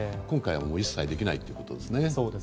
今回は一切できないということですね。